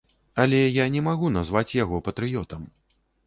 Але я не магу назваць яго патрыётам.